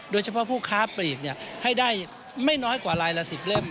โดยเฉพาะผู้ค้าปลีกให้ได้ไม่น้อยกว่าลายละ๑๐เล่ม